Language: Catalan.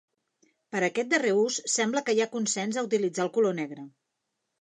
Per a aquest darrer ús sembla que hi ha consens a utilitzar el color negre.